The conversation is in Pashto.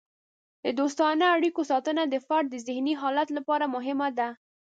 د دوستانه اړیکو ساتنه د فرد د ذهني حالت لپاره مهمه ده.